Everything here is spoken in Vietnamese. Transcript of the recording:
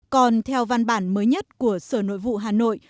còn theo văn bản mới nhất của sở nội vụ hà nội